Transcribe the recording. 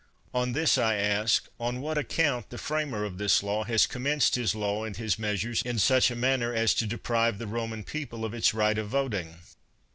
On this I ask, on what account the f ramer of this law has commenced his law and his measures in such a manner as to deprive the Roman people of its right of voting?